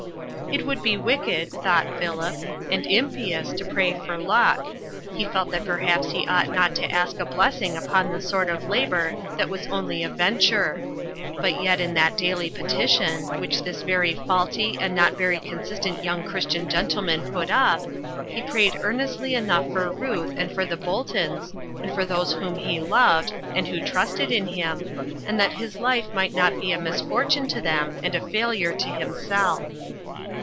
It would be wicked, thought Philip, and impious, to pray for luck; he felt that perhaps he ought not to ask a blessing upon the sort of labor that was only a venture; but yet in that daily petition, which this very faulty and not very consistent young Christian gentleman put up, he prayed earnestly enough for Ruth and for the Boltons and for those whom he loved and who trusted in him, and that his life might not be a misfortune to them and a failure to himself.